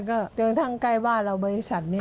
ก็เจอทั้งใกล้บ้านเราบริษัทนี่